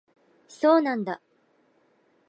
そうなんだ